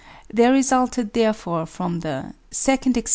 There resulted therefore from the 2d Exp.